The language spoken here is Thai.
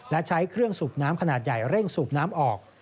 และใช้เครื่องสูบน้ำขนาดใหญ่เร่งสูบน้ำออก